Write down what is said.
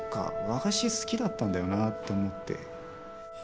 和菓子好きだったんだよなと思って。